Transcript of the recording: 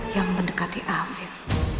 yang mendekati afif